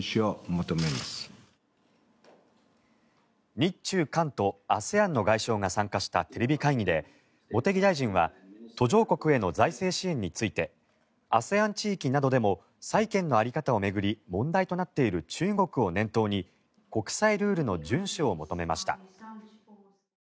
日中韓とＡＳＥＡＮの外相が参加したテレビ会議で茂木大臣は途上国への財政支援についてＡＳＥＡＮ地域などでも債権の在り方を巡り問題となっている中国を念頭に国際ルールの順守を求めました。